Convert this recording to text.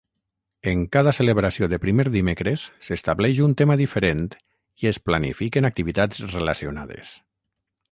En cada celebració de Primer Dimecres s'estableix un tema diferent i es planifiquen activitats relacionades.